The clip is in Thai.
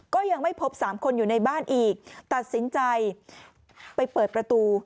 ก็ยังไม่พบสามคนอยู่ในบ้านอีกตัดสินใจไปเปิดประตู